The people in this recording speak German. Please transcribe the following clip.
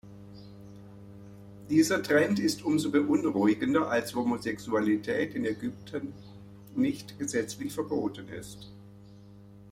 Dieser Trend ist umso beunruhigender, als Homosexualität in Ägypten nicht gesetzlich verboten ist.